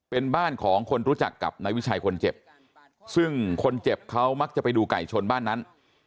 เป็นบ้านของคนรู้จักกับนายวิชัยคนเจ็บซึ่งคนเจ็บเขามักจะไปดูไก่ชนบ้านนั้น